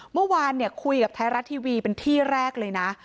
เมื่อวานคุยกับไทยรัฐทีวีเป็นที่แรกเลยนะ